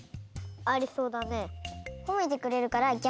ありそうだね。